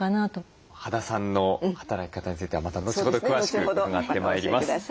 羽田さんの働き方についてはまた後ほど詳しく伺ってまいります。